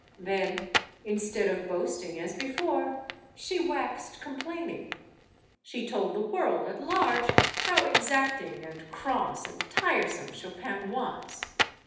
Then, instead of boasting as before, she waxed complaining. She told the world at large how exacting and cross and tiresome Chopin was.